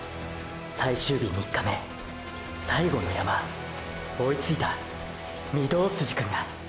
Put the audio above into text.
最終日３日目最後の山追いついた御堂筋くんが！！